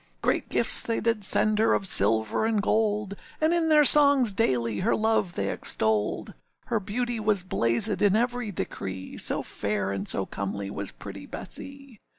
Great gifts they did send her of silver and gold, And in their songs daily her love they extolled: Her beauty was blazèd in every decree, So fair and so comely was pretty Bessee.